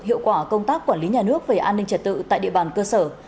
hiệu quả công tác quản lý nhà nước về an ninh trật tự tại địa bàn cơ sở